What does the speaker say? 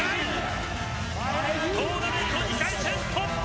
トーナメント２回戦突破！